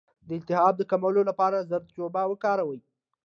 د التهاب د کمولو لپاره زردچوبه وکاروئ